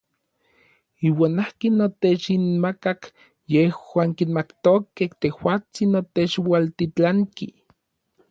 Iuan akin otechinmakak yejuan kimatokej tejuatsin otechualtitlanki.